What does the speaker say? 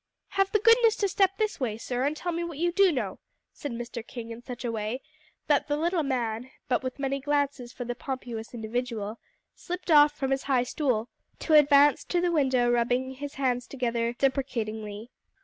"Have the goodness to step this way, sir, and tell me what you do know," said Mr. King in such a way that the little man, but with many glances for the pompous individual, slipped off from his high stool, to advance to the window rubbing his hands together deprecatingly.